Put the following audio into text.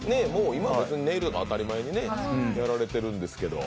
今はネイルも当たり前にやられてるんですけど。